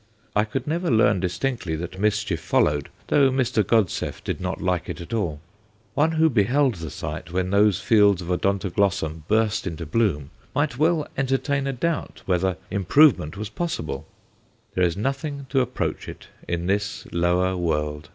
I could never learn distinctly that mischief followed, though Mr. Godseff did not like it at all. One who beheld the sight when those fields of Odontoglossum burst into bloom might well entertain a doubt whether improvement was possible. There is nothing to approach it in this lower world.